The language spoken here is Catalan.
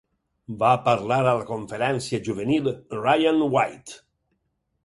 Va parlar a la Conferència Juvenil Ryan White.